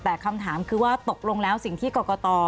แต่คำถามคือว่าตกลงแล้วสิ่งที่กรกต